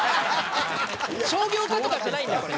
商業科とかじゃないんでこれ。